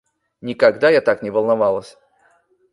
Никогда я так не волновалась.